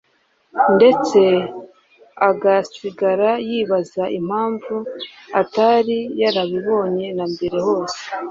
ndetse agasigara yibaza impamvu atari yarabibonye na mbere hose!